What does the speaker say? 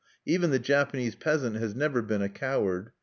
Even the Japanese peasant has never been a coward.